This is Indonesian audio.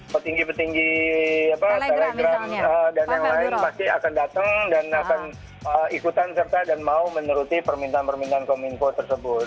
petinggi petinggi telegram dan yang lain pasti akan datang dan akan ikutan serta dan mau menuruti permintaan permintaan kominfo tersebut